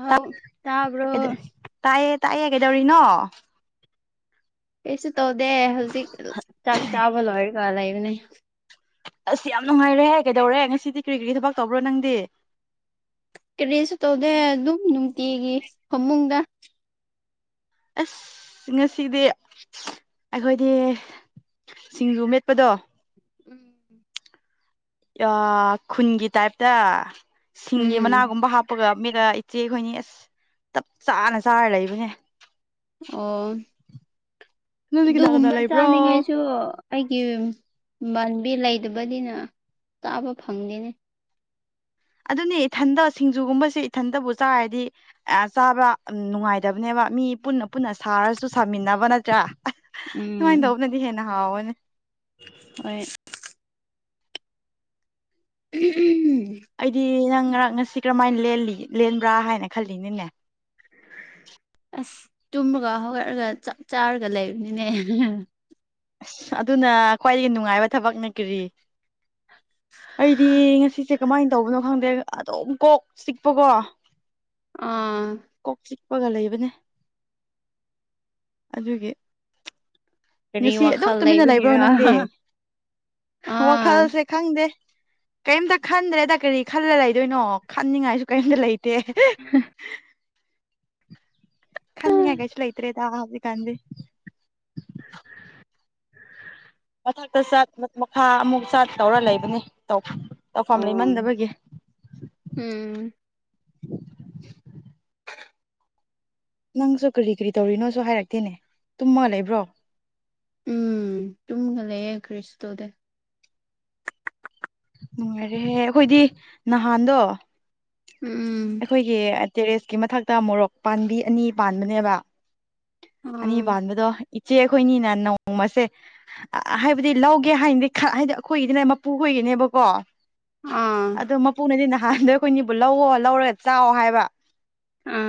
ꯑꯥꯎ ꯇꯕ꯭ꯔꯣ ꯇꯥꯏꯌꯦ ꯇꯥꯏꯌꯦ ꯀꯩꯗꯧꯔꯤꯅꯣ ꯀꯩꯁꯨ ꯇꯧꯗꯦ ꯍꯧꯖꯤꯛ ꯆꯥꯛ ꯆꯥꯕ ꯂꯣꯏꯔꯒ ꯂꯩꯕꯅꯦ ꯑꯁ ꯌꯥꯝ ꯅꯨꯡꯉꯥꯏꯔꯦꯍ ꯀꯩꯗꯧꯔꯦ ꯉꯁꯤꯗꯤ ꯀꯔꯤ ꯀꯔꯤꯒꯤ ꯊꯕꯛ ꯇꯧꯕ꯭ꯔꯣ ꯅꯪꯗꯤ ꯀꯔꯤꯁꯨ ꯇꯧꯗꯦ ꯑꯗꯨꯝ ꯅꯨꯡꯇꯤꯒꯤ ꯐꯃꯨꯡꯗ ꯑꯁ ꯉꯁꯤꯗꯤ ꯑꯩꯈꯣꯏꯗꯤ ꯁꯤꯡꯖꯨ ꯃꯦꯠꯄꯗꯣ ꯎꯝ ꯈꯨꯟꯒꯤ ꯇꯥꯏꯞꯇ ꯁꯤꯡꯒꯤ ꯎꯝ ꯃꯅꯥꯒꯨꯝꯕ ꯍꯥꯞꯄꯒ ꯃꯦꯒꯥ ꯏꯆꯦꯈꯣꯏꯅꯤ ꯑꯁ ꯆꯞ ꯆꯥꯅ ꯆꯥꯔ ꯂꯩꯕꯅꯦ ꯑꯣ ꯅꯪꯗꯤ ꯀꯅꯥ ꯀꯅꯥ ꯑꯗꯨꯒꯨꯝꯕ ꯂꯩꯕ꯭ꯔꯣ ꯆꯥꯅꯤꯡꯉꯥꯏꯁꯨ ꯑꯩꯒꯤ ꯄꯕꯥꯥꯟꯕꯤ ꯂꯩꯗꯕꯗꯤꯅ ꯆꯥꯕ ꯐꯪꯗꯦꯅꯦ ꯑꯗꯨꯅꯦ ꯏꯊꯟꯗ ꯁꯤꯡꯖꯨꯒꯨꯝꯕꯁꯦ ꯏꯊꯟꯇꯕꯨ ꯆꯥꯔꯗꯤ ꯆꯥꯕ ꯅꯨꯡꯉꯥꯏꯇꯕꯅꯦꯕ ꯃꯤ ꯄꯨꯟꯅ ꯄꯨꯟꯅ ꯁꯥꯔꯁꯨ ꯁꯥꯃꯤꯟꯅꯕ ꯅꯠꯇ꯭ꯔꯥ ꯁꯨꯃꯥꯏꯅ ꯇꯧꯕꯅꯗꯤ ꯍꯦꯟꯅ ꯍꯥꯎꯋꯅꯦ ꯑꯣꯏ [unintelligible] ꯑꯩꯗꯤ ꯅꯪ ꯉꯔꯥꯡ ꯉꯁꯤ ꯀꯔꯝꯍꯥꯏꯅ ꯂꯦꯟꯕ꯭ꯔꯥ ꯍꯥꯏꯅ ꯈꯜꯂꯤꯅꯤꯅꯦ ꯑꯁ ꯇꯨꯝꯃꯒ ꯍꯧꯒꯠꯂꯒ ꯆꯞ ꯆꯥꯔꯒ ꯂꯩꯕꯅꯤꯅꯦ ꯑꯁ ꯑꯗꯨꯅ ꯈ꯭ꯋꯥꯏꯗꯒꯤ ꯅꯨꯡꯉꯥꯏꯕ ꯊꯕꯛꯅ ꯀꯔꯤ ꯑꯩꯗꯤ ꯉꯁꯤꯁꯦ ꯀꯃꯥꯏꯅ ꯇꯧꯕꯅꯣ ꯈꯪꯗꯦ ꯑꯗꯨꯝ ꯀꯣꯛ ꯆꯤꯛꯄꯀꯣ ꯑꯥ ꯀꯄꯒ ꯂꯩꯕꯅꯦ ꯑꯗꯨꯒꯤ ꯀꯔꯤ ꯉꯁꯤ ꯑꯗꯨꯝ ꯋꯥꯈꯜ ꯇꯨꯃꯤꯟꯅ ꯂꯩꯕ꯭ꯔꯣ ꯂꯩꯕꯒꯤꯔ ꯅꯪꯗꯤ ꯑꯥ ꯋꯥꯈꯜꯁꯦ ꯈꯪꯗꯦ ꯀꯩꯝꯇ ꯈꯟꯗ꯭ꯔꯦꯗ ꯀꯔꯤ ꯈꯜꯂ ꯂꯩꯗꯣꯏꯅꯣ ꯈꯟꯅꯤꯡꯉꯥꯏꯁꯨ ꯀꯔꯤꯝꯇ ꯂꯩꯇ [inaudible] ꯈꯪꯅ ꯍꯥꯏ ꯀꯩꯁꯨ ꯂꯩ ꯏꯇꯔꯦ ꯇꯕꯤ ꯀꯥꯟꯗ [inaudible] ꯆ ꯃꯈꯥ ꯑꯃꯨꯛ ꯆꯠ ꯇꯧꯔ ꯂꯩꯕꯅꯤ ꯇꯧ ꯇꯐꯝ ꯑꯣ ꯂꯩꯃꯟꯗꯕꯒꯤ ꯎꯝ [inaudible] ꯅꯪꯁꯨ ꯀꯔꯤ ꯀꯔꯤ ꯇꯧꯔꯤꯅꯣꯁꯨ ꯍꯥꯏꯔꯛꯇꯦꯅꯦ ꯇꯨꯝꯃ ꯂꯩꯕ꯭ꯔꯣ ꯎꯝ ꯇꯨꯝꯒ ꯂꯩꯦ ꯈ꯭ꯔꯤꯁꯇꯗ ꯅꯨꯡꯉꯥꯏꯔꯦꯍꯦ ꯑꯩꯈꯣꯏꯗꯤ ꯅꯍꯥꯟꯗꯣ ꯎꯝ ꯑꯩꯈꯣꯏꯒꯤ ꯇꯦꯔꯦꯁꯀꯤ ꯃꯊꯛꯇ ꯃꯣꯔꯣꯛ ꯄꯥꯕꯤ ꯑꯅꯤ ꯄꯥꯟꯕꯅꯦꯕ ꯑꯅꯤ ꯎꯝ ꯄꯥꯟꯕꯗꯣ ꯏꯆꯦꯈꯣꯏꯅꯤꯅ ꯅꯣꯡꯃꯁꯦ ꯍꯥꯏꯕꯗꯤ ꯂꯧꯒꯦ ꯍꯥꯏꯅꯗꯤ ꯍꯥꯏꯗꯤ ꯑꯩꯈꯣꯏꯒꯤꯗꯤꯅ ꯃꯄꯨ ꯑꯣꯏꯒꯤꯅꯦꯕꯀꯣ ꯑꯥ ꯑꯗꯣ ꯃꯄꯨꯅꯗꯤ ꯅꯍꯥꯟꯗ ꯑꯩꯈꯣꯏꯅꯤꯕꯨ ꯂꯧꯋꯣ ꯂꯧꯔꯒ ꯆꯥꯛꯑꯣ ꯍꯥꯏꯕ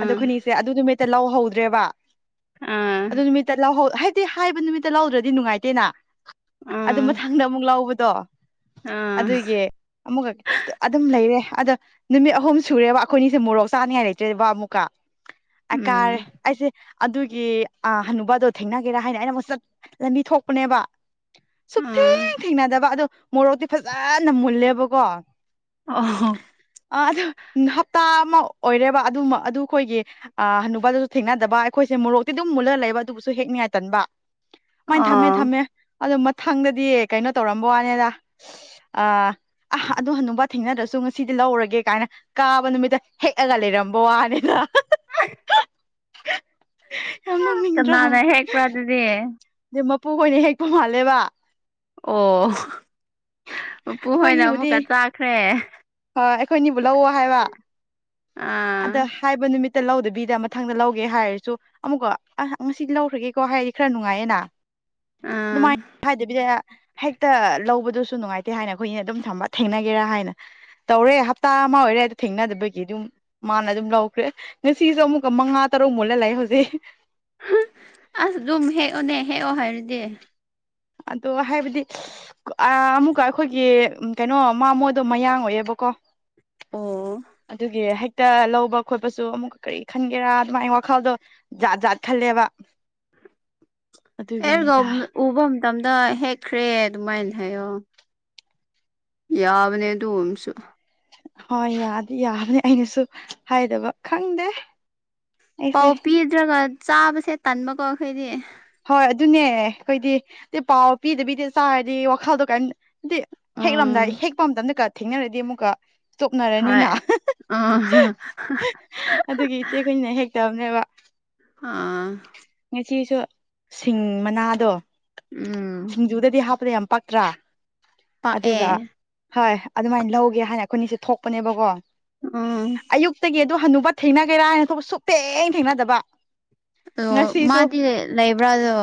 ꯑꯣ ꯈꯨꯅꯤꯁꯦ ꯑꯗꯨ ꯅꯨꯃꯤꯠꯇ ꯂꯧꯍꯧꯗ꯭ꯔꯦꯕ ꯑꯥ ꯑꯗꯨ ꯅꯨꯃꯤꯠꯇ ꯂꯧ ꯍꯥꯏ ꯑꯗꯨꯗꯤ ꯍꯥꯏꯕ ꯅꯨꯃꯤꯠꯇ ꯂꯧꯗ꯭ꯔꯗꯤ ꯅꯨꯡꯉꯥꯏꯇꯦꯅ ꯑꯗꯨ ꯑꯥ ꯃꯊꯪꯗ ꯑꯃꯨꯛ ꯂꯧꯕꯗꯣ ꯑꯥ ꯑꯗꯨꯒꯤ ꯑꯃꯨꯛꯈ ꯑꯗꯨꯝ ꯂꯩꯔꯦ ꯑꯗ ꯅꯨꯃꯤꯠ ꯑꯍꯨꯝ ꯁꯨꯔꯦꯕ ꯑꯩꯈꯣꯏꯅꯤꯁꯦ ꯃꯣꯔꯣꯛ ꯆꯥꯅꯤꯡꯉꯥꯏ ꯂꯩꯇ꯭ꯔꯦ ꯕꯕꯥ ꯑꯃꯨꯛꯀ ꯑꯦꯥ ꯎꯝ ꯑꯩꯥꯏꯁꯦ ꯑꯗꯨꯒꯤ ꯍꯅꯨꯕꯗꯣ ꯊꯦꯡꯅꯒꯦꯔꯥ ꯍꯥꯏꯅ ꯑꯩꯅ ꯑꯃꯨꯛꯠ ꯂꯝꯕꯤ ꯊꯣꯛꯄꯅꯦꯕ ꯑꯥ ꯁꯨꯛꯊꯦꯡ ꯊꯦꯡꯅꯗꯕ ꯑꯗꯣ ꯃꯣꯔꯣꯛꯇꯤ ꯐꯖꯅ ꯃꯨꯜꯂꯦꯕꯀꯣ ꯑꯣ ꯑꯗ ꯍꯞ ꯑꯃ ꯑꯣꯏꯔꯦꯕ ꯑꯗꯨ ꯑꯗꯨ ꯑꯩꯈꯣꯏꯒꯤ ꯍꯅꯨꯄꯥꯗꯁꯨ ꯊꯦꯡꯅꯗꯕ ꯑꯩꯈꯣꯏꯁꯦ ꯃꯣꯔꯣꯛꯇꯤ ꯑꯗꯨꯝ ꯃꯨꯜꯂ ꯂꯩꯕ ꯑꯗꯨꯕꯨꯁꯨ ꯍꯦꯛꯅꯤꯉꯥꯏꯇꯟꯕ ꯑꯗꯨꯃꯥꯏꯅ ꯊꯝꯃꯦ ꯑꯣ ꯊꯝꯃꯦ ꯑꯗꯨꯗ ꯃꯊꯪꯗꯗꯤ ꯀꯩꯅꯣ ꯇꯧꯔꯝꯕ ꯋꯥꯅꯤꯗ ꯑꯥ ꯑ ꯑꯗꯨ ꯍ ꯑꯗꯨꯕ ꯊꯦꯡꯅꯗ꯭ꯔꯁꯨ ꯉꯁꯤꯗꯤ ꯂꯧꯔꯒꯦ ꯀꯥꯏꯅ ꯀꯥꯕ ꯅꯨꯃꯤꯠꯇ ꯍꯦꯛꯑꯒ ꯂꯩꯔꯝꯕ ꯋꯥꯅꯤꯅ ꯑ ꯑꯗꯝ ꯔꯥ ꯀꯅꯥꯅ ꯍꯦꯛꯄ꯭ꯔꯥ ꯑꯗꯨꯗꯤ ꯑ ꯃꯄꯨ ꯍꯣꯏꯅ ꯍꯦꯛꯄ ꯃꯥꯜꯂꯦꯕ ꯑꯣ ꯃꯄꯨꯍꯣꯏꯅ ꯑꯃꯨꯛꯀ ꯑꯩꯈꯣꯏꯅꯤꯕꯨꯗꯤ ꯆꯥꯈ꯭ꯔꯦ ꯑꯩꯈꯣꯏꯅꯤꯕꯨ ꯂꯧꯑꯣ ꯍꯥꯏꯕ ꯑꯗ ꯑꯥ ꯍꯥꯏꯕ ꯅꯨꯃꯤꯠ ꯇ ꯂꯧꯗꯕꯤꯗ ꯃꯊꯪꯗ ꯂꯧꯒꯦ ꯍꯥꯏꯔꯁꯨ ꯑꯃꯨꯛꯀ ꯑꯁ ꯉꯁꯤꯗꯤ ꯂꯧꯈ꯭ꯔꯒꯦꯀꯣ ꯍꯥꯏꯔꯗꯤ ꯈꯔ ꯅꯨꯡꯉꯥꯏꯌꯦꯅꯥ ꯑꯥ ꯑꯗꯨꯃꯥꯏꯅ ꯍꯥꯏꯗꯕꯤꯗ ꯍꯦꯛꯇ ꯂꯧꯕꯗꯨ ꯁ ꯅꯨꯡꯉꯥꯏꯇꯦ ꯍꯥꯏꯅ ꯑꯩꯈꯣꯏꯅ ꯑꯗꯨꯝ ꯊꯝꯕ ꯊꯦꯡꯅꯒꯦꯔꯥ ꯍꯥꯏꯅ ꯇꯧꯔꯦ ꯍꯞꯇꯥ ꯑꯃ ꯑꯣꯏꯔꯦ ꯍꯥꯏꯗ ꯊꯦꯡꯅꯗꯕꯒꯤ ꯑꯗꯨꯝ ꯃꯥꯅ ꯑꯗꯨꯝ ꯂꯧꯈ꯭ꯔꯦ ꯉꯁꯤꯁꯨ ꯑꯃꯨꯛꯀ ꯃꯉꯥ ꯇꯔꯨꯛ ꯃꯨꯜꯂ ꯂꯩꯥꯛꯑꯦ ꯍꯧꯖꯤꯛ ꯗꯦ ꯑꯗꯣ ꯍꯥꯏꯕꯗꯤ ꯑꯃꯨꯛꯀ ꯑꯩꯈꯣꯏꯒꯤ ꯀꯩꯅꯣ ꯃꯥꯃꯣꯗꯣ ꯃꯌꯥꯡ ꯑꯣꯏꯑꯦꯕ ꯀꯣ ꯑꯣ ꯑꯗꯨꯒꯤ ꯇ ꯂꯧꯕ ꯈꯣꯠꯄꯁꯨ ꯑꯃꯨꯛꯀ ꯀꯔꯤ ꯈꯟꯒꯦꯔꯥ ꯑꯗꯨꯃꯥꯏꯅ ꯋꯥꯈꯜꯗꯣ ꯖꯥꯠ ꯖꯥꯠ ꯈꯜꯂꯦꯕ [inaudible] ꯍꯒ ꯑꯗꯨꯒꯤꯅꯦꯗ ꯎꯕ ꯃꯇꯝꯗ ꯍꯦꯛꯈ꯭ꯔꯦ ꯑꯗꯨꯃꯥꯏꯅ ꯍꯥꯏꯌꯣ ꯌꯥꯎꯅꯦ ꯑꯗꯨ ꯑꯣ ꯑꯃꯁꯁꯨ ꯍꯣꯏ ꯌꯥꯗꯤ ꯌꯥꯕꯅꯦ ꯑꯩꯅꯁꯨ ꯍꯥꯏꯗꯕ ꯈꯪꯗꯦ ꯑꯩꯁꯦ ꯄꯥꯎ ꯄꯤꯗ꯭ꯔꯒ ꯆꯥꯕꯁꯦ ꯇꯟꯕꯀꯣ ꯑꯩꯈꯣꯏꯗꯤ ꯍꯣꯏ ꯑꯗꯨꯅꯦ ꯑꯩꯈꯣꯏꯗꯤ ꯑ ꯄꯥꯎ ꯄꯤꯗꯕꯤꯤꯗ ꯆꯥꯔꯗꯤ ꯋꯥꯈꯜꯗꯣ ꯀ ꯑꯗꯨꯗꯤ ꯍꯦꯛꯂꯝꯗꯥꯏ ꯎꯝ ꯍꯦꯛꯄ ꯃꯇꯝꯗꯒ ꯊꯦꯡꯅꯔꯗꯤ ꯑꯃꯨꯛꯀ ꯇꯣꯛꯅꯔꯅꯤꯅ ꯍꯣꯏ ꯑ ꯑꯗꯨꯒꯤ ꯏꯆꯦ ꯑꯩꯈꯣꯏꯅ ꯍꯦꯛ ꯇꯅꯦꯕ ꯑꯥ ꯏꯆꯁꯨ ꯁꯤꯡ ꯃꯅꯥꯗꯣ ꯎꯝ ꯗ ꯌꯥꯝ ꯄꯛꯇ꯭ꯔꯥ ꯑꯗꯨꯒ ꯄꯥꯛꯑꯦ ꯍꯣꯏ ꯑꯗꯨꯃꯥꯏꯅ ꯂꯧꯒꯦ ꯍꯥꯏꯅ ꯑꯩꯈꯣꯏꯅꯤꯁꯦ ꯊꯣꯛꯄꯅꯦꯕꯀꯣ ꯑꯥ ꯑꯌꯨꯛꯇꯒꯤ ꯑꯗꯨ ꯍꯟꯅꯨꯕ ꯊꯦꯡꯅꯒꯦꯔꯥ ꯍꯥꯏꯅ ꯊꯣꯛꯄ ꯁꯨꯛꯇꯦꯡ ꯊꯦꯡꯅꯗꯕ ꯑꯣ ꯉꯁꯤꯁꯨ ꯃꯥꯗꯤ ꯂꯩꯕ꯭ꯔꯥꯗꯣ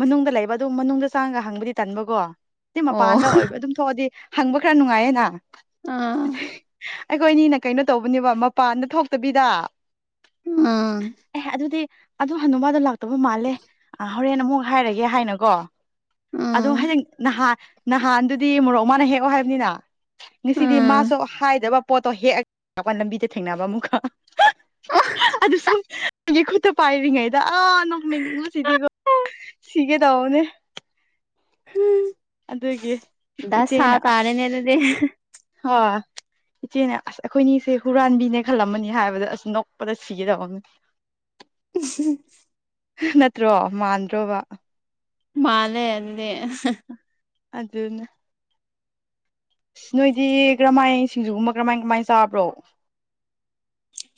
ꯃꯅꯨꯡꯗ ꯂꯩꯕ ꯑꯗꯨꯝ ꯃꯅꯨꯡꯗ ꯆꯥꯡꯒ ꯍꯪꯕꯗꯤ ꯇꯟꯕꯀꯣ ꯁꯤ ꯑꯣ ꯃꯄꯥꯟꯗ ꯑꯣꯏꯕ ꯑꯗꯨꯝ ꯊꯣꯛꯑꯗꯤ ꯍꯪꯕ ꯈꯔ ꯅꯨꯡꯉꯥꯏꯌꯦꯅ ꯑꯝ ꯑꯩꯈꯣꯏ ꯑꯅꯤꯅ ꯀꯩꯅꯣ ꯇꯧꯕꯅꯦꯕ ꯃꯄꯥꯟꯗ ꯊꯣꯛꯇꯕꯤꯗ ꯎꯝ ꯑꯦ ꯑꯗꯨꯗꯤ ꯑꯗꯨ ꯍꯟꯗ ꯃꯥꯗꯣ ꯂꯥꯛꯇꯕ ꯃꯥꯜꯂꯦ ꯍꯣꯔꯦꯟ ꯑꯃꯨꯛ ꯍꯥꯏꯔꯒꯦ ꯍꯥꯏꯅꯀꯣ ꯎꯝ ꯑꯗꯨꯣ ꯍꯥꯏꯌꯦꯡ ꯅꯍꯥꯟ ꯅꯍꯥꯟꯗꯨꯗꯤ ꯃꯣꯔꯣꯛ ꯃꯥꯅ ꯍꯦꯛꯑꯣ ꯍꯥꯏꯕꯅꯤꯅ ꯉꯁꯤꯗꯤ ꯎꯝ ꯃꯥꯁꯨ ꯍꯥꯏꯗꯕ ꯄꯣꯠꯇꯣ ꯍꯦꯛꯑꯄ ꯂꯝꯕꯤꯗ ꯊꯦꯡꯅꯕ ꯑꯃꯨꯛꯀ ꯑꯗꯨ ꯁꯨꯝ ꯑꯩꯒꯤ ꯈꯨꯠꯇ ꯄꯥꯏꯔꯤꯉꯩꯗ ꯑꯥ ꯅꯣꯡꯃꯤ ꯉꯣꯁꯤꯗꯤ ꯁꯤꯒꯦ ꯇꯎꯅꯦ ꯎꯝ ꯑꯗꯨꯗꯒꯤ ꯏꯆꯦꯅ ꯑꯁ ꯇꯥꯔꯦꯅꯦ ꯑꯗꯨꯗꯤ ꯍ ꯏꯆꯦꯅꯦ ꯑꯁ ꯑꯩꯈꯣꯏꯅꯤꯁꯦ ꯍꯨꯔꯥꯟꯕꯤꯅꯦ ꯈꯜꯂꯝꯃꯅꯤ ꯍꯥꯏꯕꯗ ꯑꯁ ꯅꯣꯛꯄꯗ ꯁꯤꯒꯗꯕꯅꯦ ꯎ ꯅꯠꯇ꯭ꯔꯣ ꯃꯥꯟꯗ꯭ꯔꯣꯕ ꯃꯥꯂꯦꯗꯤ ꯑꯗꯨꯗꯅꯦ ꯅꯣꯏꯗꯤ ꯀꯔꯝꯍꯥꯏ ꯁꯤꯡꯖꯨꯒꯨꯝꯕ ꯀꯔꯝꯃꯥꯏ ꯀꯔꯃꯥꯏꯅ ꯆꯥꯕ꯭ꯔꯣ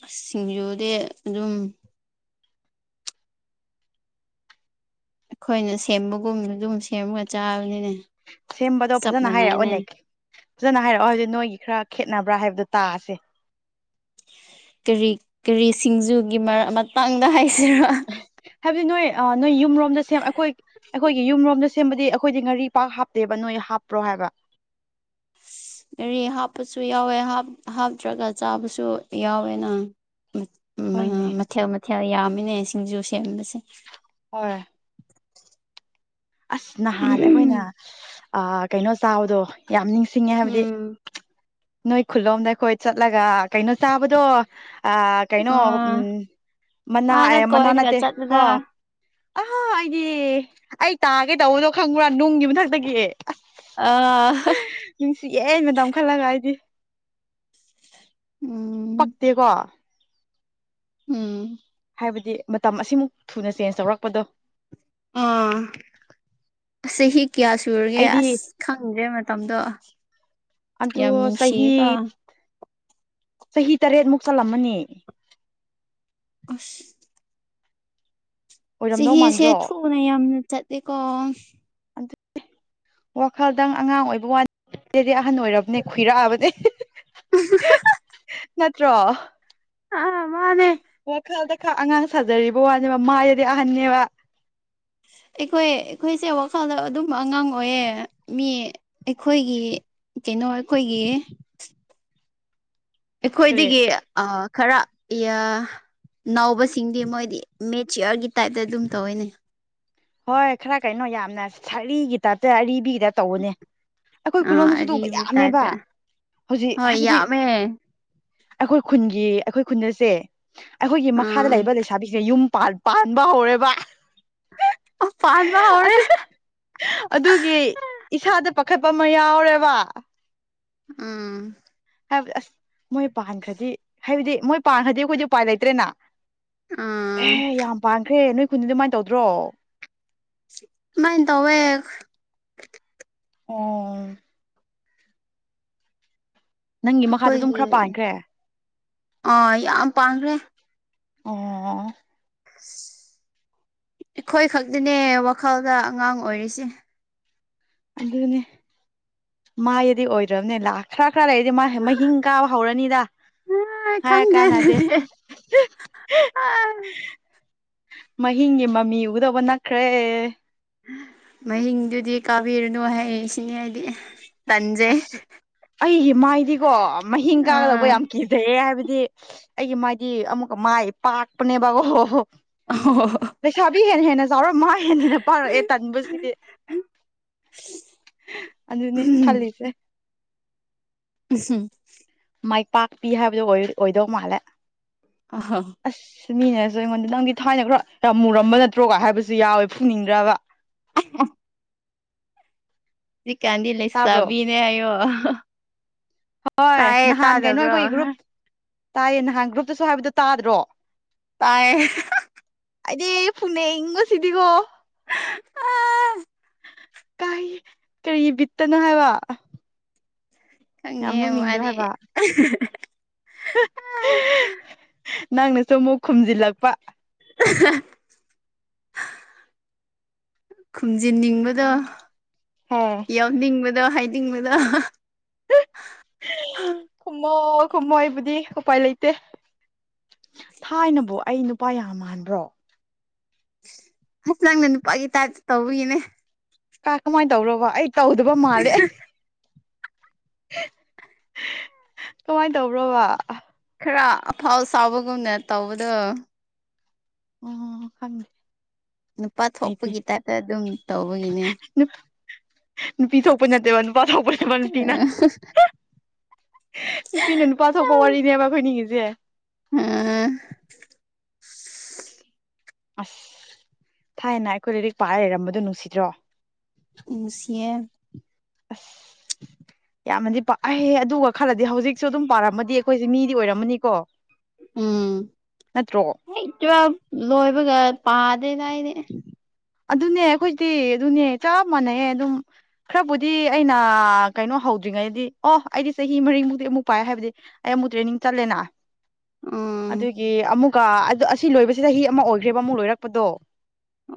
ꯑ ꯁꯤꯡꯖꯨꯗꯤ ꯑꯗꯨꯝ ꯑꯩꯈꯣꯏꯅ ꯁꯦꯝꯕꯒꯨꯝꯗꯨ ꯑꯗꯨ ꯑꯗꯨꯝ ꯁꯦꯝꯃꯒ ꯆꯥꯕꯅꯤꯅꯦ ꯁꯦꯝꯕꯗꯣ ꯆꯞ ꯐꯖꯅ ꯍꯥꯏꯔꯛꯑꯣ ꯃꯥꯟꯅꯩꯅꯦ ꯅꯦꯛ ꯐꯖꯅ ꯍꯥꯏꯔꯛꯑꯣ ꯍꯧꯖꯤꯛ ꯅꯣꯏꯒꯤ ꯈꯔ ꯈꯦꯠꯅꯕ꯭ꯔꯥ ꯍꯥꯏꯕꯗꯣ ꯇꯥꯁꯦ ꯀꯔꯤ ꯀꯔꯤ ꯁꯤꯡꯖꯨꯒꯤ ꯃꯇꯥꯡꯗ ꯍꯥꯏꯁꯤꯔꯣ ꯍꯥꯏꯕꯗꯤ ꯅꯣꯏ ꯅꯣꯏ ꯌꯨꯝꯔꯣꯝꯗ ꯁꯦꯝ ꯑꯩꯈꯣꯏ ꯑꯩꯈꯣꯏꯒꯤ ꯌꯨꯝꯔꯣꯝꯗ ꯁꯦꯝꯕꯗꯤ ꯑꯩꯈꯣꯏꯗꯤ ꯉꯥꯔꯤ ꯄꯥꯛ ꯍꯥꯞꯇꯦꯕ ꯅꯣꯏ ꯍꯥꯞꯄ꯭ꯔꯣ ꯍꯥꯏꯕ [unintelligible] ꯔꯤ ꯍꯥꯞꯄꯁꯨ ꯌꯥꯎꯋꯦ ꯍꯥꯞꯇ꯭ꯔꯒ ꯆꯥꯕꯁꯨ ꯌꯥꯎꯋꯦ ꯅꯪ ꯎ ꯍꯣꯏꯅꯦ ꯃꯊꯦꯜ ꯃꯊꯦꯜ ꯌꯥꯝꯃꯤꯅꯦ ꯁꯤꯡꯖꯨ ꯁꯦꯝꯕꯁꯦ ꯍ ꯑꯁ ꯅꯍꯥꯟ ꯑꯩꯈꯣꯏꯅ ꯀꯩꯅꯣ ꯆꯥꯎꯗꯣ ꯌꯥꯝ ꯅꯤꯡꯁꯤꯡꯉꯦ ꯍꯥꯏꯕꯗꯤ ꯎꯝ ꯅꯣꯏ ꯈꯨꯂꯣꯝꯗ ꯑꯩꯈꯣꯏ ꯆꯠꯂꯒ ꯀꯩꯅꯣ ꯆꯥꯕꯗꯣ ꯑ ꯀꯩꯅꯣ ꯑ ꯎꯝ ꯃꯅꯥ ꯑꯥꯗ ꯃꯅꯥ ꯀꯣꯏꯔꯒ ꯅꯠꯇꯦ ꯆꯠꯂꯨꯗ ꯍ ꯑꯍꯥ ꯑꯩꯗꯤ ꯑꯩ ꯇꯥꯒꯦ ꯇꯧꯕꯗꯣ ꯈꯪꯕ꯭ꯔꯥ ꯅꯨꯡꯒꯤ ꯃꯊꯛꯇꯒꯤ ꯑꯁ ꯑ ꯅꯨꯡꯁꯤꯌꯦ ꯃꯦꯗꯥꯝ ꯈꯜꯂꯒ ꯑꯩꯗꯤ ꯎꯝ ꯄꯛꯛꯇꯦꯀꯣ ꯎꯝ ꯍꯥꯏꯕꯗꯤ ꯃꯇꯝ ꯑꯁꯤꯃꯨꯛ ꯊꯨꯅ ꯆꯦꯟꯁ ꯇꯧꯔꯛꯄꯗꯣ ꯑꯁꯦ ꯍꯤ ꯀꯌꯥ ꯁꯨꯔꯒꯦ ꯑꯩꯗꯤ ꯑꯁ ꯈꯪꯗ꯭ꯔꯦ ꯃꯇꯝꯗꯣ ꯑꯗꯣ ꯌꯥꯝꯅꯤꯁꯤ ꯆꯍꯤ ꯀ ꯆꯍꯤ ꯇꯔꯦꯠ ꯃꯨꯛ ꯆꯜꯂꯝꯃꯅꯤ ꯑꯁ ꯑꯣꯏꯔꯝꯗꯧ ꯆꯁꯦ ꯃꯥꯟꯗ꯭ꯔꯣ ꯊꯨꯅ ꯌꯥꯝꯅ ꯆꯠꯂꯦꯀꯣ ꯑꯗꯨ ꯋꯥꯈꯜꯗꯪ ꯑꯉꯥꯡ ꯑꯣꯏꯕ ꯕꯗꯤ ꯑꯍꯟ ꯑꯣꯏꯔꯕꯅꯦ ꯈꯏꯔꯛꯑꯕꯅꯦ ꯅꯠꯇ꯭ꯔꯣ ꯑ ꯃꯥꯅꯦ ꯈꯔ ꯑꯉꯥꯡ ꯁꯥꯖꯔꯤꯕ ꯋꯥꯅꯦꯕ ꯃꯥꯏꯗꯗꯤ ꯑꯍꯟꯅꯅꯦꯕ ꯍ ꯑꯩꯈꯣꯏ ꯑꯩꯈꯣꯏꯁꯦ ꯋꯥꯈꯜꯗ ꯑꯗꯨꯝꯕ ꯑꯉꯥꯡ ꯑꯣꯏꯌꯦ ꯃꯤ ꯑꯩꯈꯣꯏꯒꯤ ꯀꯩꯅꯣ ꯑꯩꯈꯣꯏꯒꯤ ꯀꯔꯤ ꯑꯩꯈꯣꯏꯗꯒꯤ ꯈꯔ ꯅꯥꯎꯕꯁꯤꯡꯗꯤ ꯃꯣꯏꯗꯤ ꯃꯦꯠꯆꯌꯥꯔꯒꯤ ꯇꯥꯏꯞꯇ ꯑꯗꯨꯝ ꯇꯧꯋꯤꯅꯦ ꯍꯣꯏ ꯈꯔ ꯀꯩꯅꯣ ꯌꯥꯝꯅ ꯁꯛꯂꯤꯒꯤ ꯇꯥꯏꯞꯇ ꯑꯔꯤꯕꯒꯤꯗ ꯇꯧꯕꯅꯦ ꯑꯩꯈꯣꯏ ꯑꯥ ꯈꯨꯂꯣꯗꯁꯨ ꯇꯧꯕ ꯑꯔꯤꯕ ꯌꯥꯝꯃꯦꯕ ꯇꯥꯏꯞꯇ ꯍꯧꯖꯤꯛ ꯍꯣꯏ ꯍꯥꯏꯕꯗꯤ ꯌꯥꯝꯃꯦ ꯑꯩꯈꯣꯏ ꯈꯨꯟꯒꯤ ꯑꯩꯈꯣꯏ ꯈꯨꯟꯁꯦ ꯑꯩꯈꯣꯏꯒꯤ ꯃꯈꯥꯗ ꯑꯥ ꯂꯩꯕ ꯂꯩꯁꯥꯕꯤꯁꯤꯅ ꯌꯨꯝ ꯄꯥ ꯄꯥꯟꯕ ꯍꯔꯦꯕ ꯑꯣ ꯄꯥꯟꯕ ꯍꯧꯔꯦ ꯑꯗꯨ ꯑꯗꯨꯒꯤ ꯏꯁꯥꯗ ꯄꯥꯈꯠꯄ ꯑꯃ ꯌꯥꯎꯔꯦꯕ ꯎꯝ ꯍꯥꯏꯕꯗꯤ ꯑꯁ ꯃꯣꯏ ꯄꯥꯟꯈ꯭ꯔꯗꯤ ꯍꯥꯏꯕꯗꯤ ꯃꯣꯏ ꯄꯥꯟꯈ꯭ꯔꯗꯤ ꯑꯩꯈꯣꯏꯗꯤ ꯎꯄꯥꯏ ꯂꯩꯇ꯭ꯔꯦꯅ ꯎꯝ ꯑꯦ ꯌꯥꯝ ꯄꯥꯝꯈ꯭ꯔꯦ ꯅꯣꯏ ꯈꯨꯟ ꯑꯗꯨꯃꯥꯏꯅ ꯇꯧꯗ꯭ꯔꯣ ꯃꯥꯥꯏ ꯇꯋꯦ ꯑꯣ ꯅꯪꯒꯤ ꯃꯈꯥꯗ ꯑꯗꯨꯝ ꯑꯩꯈꯣꯏꯒꯤ ꯈꯔ ꯄꯥꯟꯈ꯭ꯔꯦ ꯑꯥ ꯌꯥꯝ ꯄꯥꯡꯈ꯭ꯔꯦ ꯑ ꯑꯩꯈꯣꯏ ꯈꯛꯇꯤꯅꯦ ꯋꯥꯈꯜꯗ ꯑꯉꯥꯡ ꯑꯣꯏꯔꯤꯁꯦ ꯑꯗꯨꯅꯦ ꯃꯥꯏꯗꯤ ꯑꯣꯏꯗ꯭ꯔꯕꯅꯦ ꯂꯥꯛꯈ꯭ꯔꯥ ꯈꯔ ꯂꯩꯔꯗꯤ ꯃꯥꯁꯦ ꯃꯍꯤꯡ ꯀꯥꯕ ꯍꯧꯔꯅꯤꯗ ꯑꯥ ꯍ ꯈꯪꯗꯦ ꯀꯥꯟꯅꯗꯦ ꯑꯗꯨꯗꯤ ꯑꯥ ꯃꯍꯤꯡꯒꯤ ꯃꯃꯤ ꯎꯗꯧꯕ ꯅꯛꯈ꯭ꯔꯦ ꯃꯍꯤꯡꯗꯨꯗꯤ ꯀꯥꯕꯤꯔꯅꯨꯌꯦ ꯍꯥꯏꯁꯤꯅꯦ ꯑꯩꯗꯤ ꯑꯁ ꯑꯩꯒꯤ ꯃꯥꯏꯗꯤꯀꯣ ꯃꯍꯤꯡ ꯀꯥꯒꯗꯧꯕ ꯑꯥ ꯌꯥꯝ ꯀꯤꯖꯩꯌꯦ ꯍꯥꯏꯕꯗꯤ ꯗꯤ ꯑꯩꯒꯤ ꯃꯥꯢꯗꯤ ꯑꯃꯨꯛꯀ ꯃꯥꯏ ꯄꯥꯛꯄꯅꯦꯕ ꯍꯣ ꯍꯣ ꯍꯣ ꯍꯣ ꯍꯣ ꯂꯩꯁꯥꯕꯤ ꯍꯦꯟꯅ ꯍꯦꯟꯅ ꯆꯥꯎꯔ ꯃꯥ ꯍꯦ ꯍꯦꯟꯅ ꯄꯥꯔꯛꯑꯦ ꯇꯟꯕꯁꯤꯗꯤ ꯑꯗꯨꯅꯦ ꯈꯜꯂꯤꯁꯦ ꯝ ꯃꯥꯏ ꯄꯥꯛꯄꯤ ꯍꯥꯏꯕꯗꯨꯣ ꯑꯣꯏꯗꯧ ꯃꯥꯜꯂꯦ ꯑ ꯍ ꯁꯤ ꯃꯤꯅꯦꯁꯨ ꯑꯩꯉꯣꯟꯗ ꯅꯪꯗꯤ ꯊꯥꯏꯅ ꯈꯔ ꯌꯥꯝ ꯃꯨꯔꯝꯕ ꯅꯠꯇ꯭ꯔꯣꯒ ꯍꯥꯏꯕꯁꯨ ꯌꯥꯎꯋꯦ ꯐꯨꯅꯤꯡꯗ꯭ꯔꯕ [unintelligible] ꯁꯤꯖꯤꯛ ꯀꯥꯟꯗꯤ ꯂꯩꯁ ꯇꯥꯕ꯭ꯔꯣ ꯇꯥꯕꯤꯅꯦ ꯑꯣ ꯍꯣꯏ ꯅꯍꯥꯟ ꯀꯩꯅꯣ ꯑꯩꯈꯣꯏ ꯒ꯭ꯔꯨꯞ ꯇꯥꯏꯌꯦ ꯅꯍꯥꯟ ꯒ꯭ꯔꯨꯞꯇꯁꯨ ꯍꯥꯏꯕꯗꯣ ꯇꯥꯗ꯭ꯔꯣ ꯇꯥꯏ ꯑꯩꯗꯤ ꯐꯨꯅꯤꯡꯕꯁꯤꯗꯤꯒꯣ ꯑꯥ ꯀꯥꯏ ꯀꯔꯤ ꯕꯤꯠꯇꯅꯣ ꯍꯥꯏꯕ ꯌꯥꯝ ꯈꯪꯅꯦ ꯅꯣꯛꯅꯤꯡꯗ꯭ꯔꯣ ꯃꯥꯅꯦ ꯍꯥꯏꯕ ꯅꯪꯅꯁꯨ ꯑꯃꯨꯛ ꯈꯨꯝꯖꯤꯜꯂꯛꯄ [inaudible] ꯈꯨꯝꯖꯤꯟꯅꯤꯡꯕꯗꯣ ꯍꯦ ꯌꯥꯎꯅꯤꯡꯕꯗꯣ ꯍꯥꯏꯅꯤꯡꯕꯗꯣ ꯑꯣ ꯀꯨꯝꯃꯣꯏꯕꯨꯗꯤ ꯎꯄꯥꯏ ꯂꯩꯇꯦ ꯊꯥꯏꯅꯕꯣ ꯑꯩ ꯅꯨꯄꯥ ꯌꯥꯝ ꯃꯥꯟꯕ꯭ꯔꯣ ꯑꯁ ꯅꯪꯅ ꯅꯨꯄꯥꯒꯤ ꯇꯥꯏ ꯇꯧꯕꯒꯤꯅꯦ ꯀꯥ ꯀꯃꯥꯏꯅ ꯇꯧꯔꯕ ꯑꯩ ꯇꯧꯗꯕ ꯃꯥꯜꯂꯦ ꯀꯃꯥꯏꯅ ꯇꯧꯕ꯭ꯔꯣꯕ ꯈꯔ ꯑꯐꯥꯎ ꯁꯕꯒꯨꯝꯅ ꯇꯧꯕꯗꯣ ꯎ ꯈꯪꯗꯦ ꯅꯨꯄꯥ ꯑꯩꯗꯤ ꯊꯣꯛꯄꯒꯤ ꯇꯥꯏꯞꯇ ꯑꯗꯨꯝ ꯇꯧꯕꯒꯤꯅꯦ ꯅꯨꯄꯤ ꯊꯣꯛꯄ ꯅꯠꯇꯦꯕ ꯅꯨꯄꯥ ꯊꯣꯛꯄꯅꯦꯕ ꯅꯨꯄꯤꯅ ꯅꯨꯄꯤꯅ ꯅꯨꯄꯥ ꯊꯣꯛꯄ ꯋꯥꯔꯤꯅꯦꯕ ꯑꯩꯈꯣꯏ ꯅꯤꯒꯤꯁꯦ ꯎꯝ ꯑꯁ ꯊꯥꯏꯅ ꯑꯩꯈꯣꯏ ꯂꯥꯏꯔꯤꯛ ꯄꯥꯛꯑ ꯂꯩꯔꯝꯕꯗꯣ ꯅꯨꯡꯁꯤꯗ꯭ꯔꯣ ꯅꯨꯡꯁꯤꯌꯦ ꯑꯁ ꯌꯥꯝꯅꯗꯤ ꯄꯥꯛꯍ ꯑꯗꯨꯒ ꯈꯔꯗꯤ ꯍꯧꯖꯤꯛꯁꯨ ꯑꯗꯨꯝ ꯄꯥꯔꯄ ꯑꯃꯗꯤ ꯑꯩꯈꯣꯏꯁꯦ ꯃꯤꯗꯤ ꯑꯣꯏꯔꯝꯃꯅꯤꯀꯣ ꯅꯠꯇ꯭ꯔꯣ ꯎꯝꯇ ꯂꯣꯏꯕꯒ ꯄ [inaudible] ꯐꯅꯏꯅꯦ [inaudible] ꯑꯗꯨꯅꯦ ꯑꯩꯈꯣꯏꯗꯤ ꯑꯗꯨꯅꯦ ꯆꯞ ꯃꯥꯟꯅꯩꯑꯦ ꯑꯗꯨꯝ ꯈꯔꯕꯨꯗꯤ ꯑꯩꯅ ꯀꯩꯅꯣ ꯍꯧꯗ꯭ꯔꯤ ꯉꯩꯗꯤ ꯑꯣ ꯑꯩꯗꯤ ꯆꯍꯤ ꯃꯔꯤꯃꯨꯛꯇꯤ ꯑꯃꯨꯛ ꯄꯥꯏ ꯍꯥꯏꯕꯗꯤ ꯑꯩ ꯑꯃꯨꯛ ꯇ꯭ꯔꯦꯅꯤꯡ ꯆꯠꯂꯦꯅ ꯎꯝ ꯑꯗꯨꯒꯤ ꯑꯃꯨꯒ ꯑꯁꯤ ꯂꯣꯏꯕꯁꯤꯗ ꯍꯤ ꯑꯃ ꯑꯣꯏꯈ꯭ꯔꯦꯕ ꯑꯃꯨꯛ ꯂꯣꯏꯔꯛꯄꯗꯣ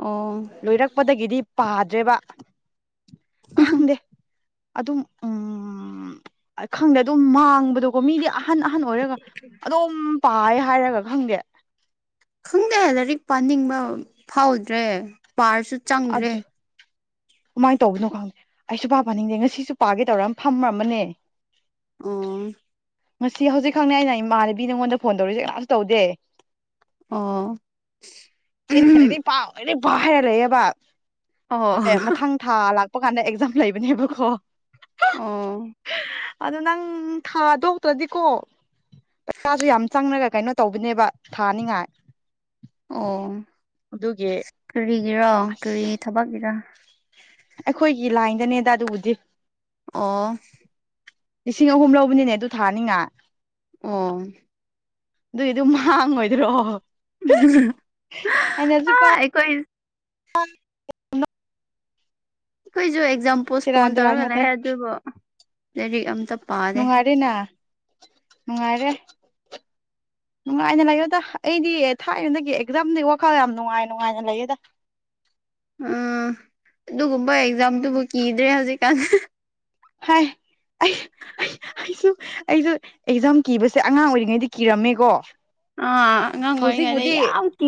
ꯑꯣ ꯂꯣꯏꯔꯛꯄꯗꯒꯤꯗꯤ ꯄꯥꯗ꯭ꯔꯦꯕ ꯈꯪꯗꯦ ꯑꯗꯨꯝ ꯎꯝ ꯈꯪꯗꯦ ꯑꯗꯨꯝ ꯃꯥꯡꯕꯗꯣꯀꯣ ꯃꯤꯗꯤ ꯑꯍꯟ ꯑꯍꯟ ꯑꯣꯏꯔꯒ ꯑꯗꯨꯝ ꯄꯥꯏ ꯍꯥꯏꯔꯒ ꯈꯪꯗꯦ ꯈꯪꯗꯦ ꯂꯥꯏꯔꯤꯛ ꯄꯥꯅꯤꯡꯕ ꯐꯥꯎꯗ꯭ꯔꯦ ꯄꯔꯁꯨ ꯑꯗꯨ ꯆꯪꯗ꯭ꯔꯦ ꯀꯃꯥꯏꯅ ꯇꯧꯕꯅꯣ ꯈꯪꯗꯦ ꯑꯩ ꯁꯨꯄꯥ ꯄꯥꯅꯤꯡꯗꯦ ꯉꯁꯤꯁꯨ ꯄꯥꯒꯦ ꯇꯧꯔ ꯐꯃꯝꯕꯅꯦ ꯑꯣ ꯉꯁꯤ ꯍꯧꯖꯤꯛ ꯈꯪꯅꯤ ꯑꯩꯅ ꯏꯃꯥꯟꯅꯕꯤ ꯅꯪꯉꯣꯟꯗ ꯐꯣꯟ ꯇꯧꯔꯤꯁꯦ ꯀꯅꯥꯁꯨ ꯇꯧꯗꯦ ꯑꯣ ꯄ ꯄ ꯍꯥꯏꯔ ꯂꯩꯕ ꯑꯣ ꯑꯦ ꯃꯊꯪ ꯊꯥ ꯂꯥꯛꯄ ꯀꯥꯟꯗ ꯑꯦꯛꯖꯥꯝ ꯂꯩꯕꯅꯦꯕꯀꯣ ꯑꯪ ꯑꯗꯣ ꯅꯪ ꯊꯥꯗꯣꯛꯇ꯭ꯔꯗꯤꯀꯣ ꯄꯩꯁꯥꯁꯨ ꯌꯥꯝ ꯆꯪꯅꯒ ꯀꯩꯅꯣ ꯇꯧꯕꯅꯦꯕ ꯊꯥꯅꯤꯉꯥꯏ ꯑ ꯑꯗꯨꯒꯤ ꯌꯦꯔꯣ ꯑꯁ ꯀꯔꯤ ꯊꯕꯛꯀꯤꯔ ꯑꯩꯈꯣꯏꯒꯤ ꯂꯥꯏꯟꯗꯅꯦꯗ ꯑꯗꯨꯕꯨꯗꯤ ꯑꯣ ꯂꯤꯁꯤꯡ ꯑꯍꯨꯝ ꯂꯧꯕꯅꯤꯅꯦ ꯑꯗꯨ ꯊꯥꯅꯤꯉꯥꯏ ꯑꯣ ꯑꯗꯨꯏ ꯑꯗꯨꯝ ꯍꯥꯡꯉꯣꯏꯗ꯭ꯔꯣ ꯍꯥ ꯑꯩꯈꯣꯢ ꯑ [inaudible] ꯀꯣꯏꯁꯨ ꯌꯥꯝ ꯄꯣꯁꯄꯣꯟ ꯁꯦꯔꯥꯟ ꯇꯨꯔꯥꯟ ꯇꯧꯔꯒ ꯂꯩ ꯉꯥꯛꯇꯅꯦ ꯑꯗꯨꯕꯨ ꯂꯥꯏꯔꯤꯛ ꯑꯝꯇ ꯄꯥꯗꯦ ꯅꯨꯡꯉꯥꯏꯔꯦꯅ ꯅꯨꯡꯉꯥꯏꯔꯦ [unintelligible] ꯅꯨꯡꯉꯥꯏꯅ ꯂꯩꯌꯣꯗ ꯑꯩꯗꯤ ꯊꯥꯏꯕꯗꯒꯤ ꯑꯦꯝꯗꯤ ꯋꯥꯈꯜ ꯌꯥꯝ ꯅꯨꯡꯉꯥꯏ ꯅꯨꯡꯉꯥꯏꯅ ꯂꯩꯌꯦꯗ ꯎꯥ ꯑꯗꯨꯒꯨꯝꯕ ꯑꯦꯛꯖꯥꯝꯗꯨꯕꯨ ꯀꯤꯗ꯭ꯔꯦ ꯍꯧꯖꯤꯛꯀꯥꯟ ꯍꯥꯏ ꯑꯩ ꯑꯩꯁꯨ ꯑꯩꯁꯨ ꯑꯦꯛꯖꯥꯝ ꯀꯤꯕꯁꯦ ꯑꯉꯥꯡ ꯑꯣꯏꯔꯤꯉꯩꯗꯤ ꯀꯤꯔꯝꯃꯦꯀꯣ ꯑꯉꯩ ꯉꯗ ꯍꯧꯖꯤꯛꯄꯨꯗꯤ ꯌꯥꯝ ꯀꯤ